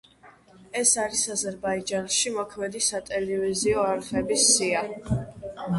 ეს არის აზერბაიჯანში მოქმედი სატელევიზიო არხების სია.